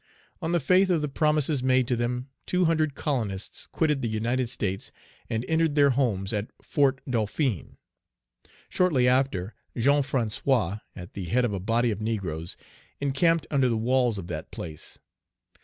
On the faith of the promises made to them, two hundred colonists quitted the United States and entered their homes at Fort Dauphin. Shortly after, Jean Francois, at the head of a body of negroes, encamped under the walls of that place.